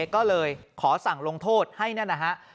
ก็เลยขอสั่งลงโทษให้นั่นนะฮะ